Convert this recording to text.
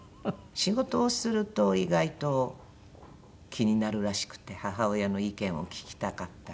仕事をすると意外と気になるらしくて母親の意見を聞きたかったり。